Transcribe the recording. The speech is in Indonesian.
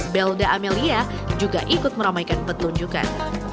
belda amelia juga ikut meramaikan pertunjukan